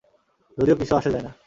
যদিও কিছু আসে যায় না।